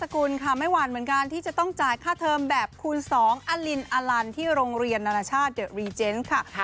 กุลค่ะไม่หวั่นเหมือนกันที่จะต้องจ่ายค่าเทิมแบบคูณสองอลินอลันที่โรงเรียนนานาชาติเดอะรีเจนส์ค่ะ